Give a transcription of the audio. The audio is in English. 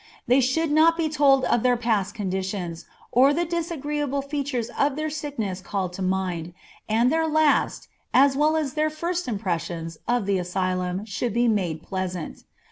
They should not be told of their past conditions, or the disagreeable features of their sickness called to mind, and their last, as well as their first impressions of the asylum should be made pleasant.